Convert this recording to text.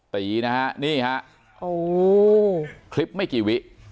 ตรีนะนี่ครับคลิปไม่กี่วิ